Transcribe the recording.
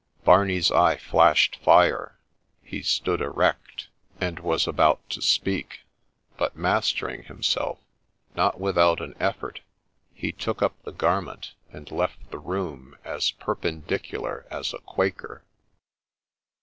Barney's eye flashed fire, — he stood erect, and was about to speak ; but, mastering hirriself, not without an effort, he took up the garment, and left the room as perpendicular as a Quaker.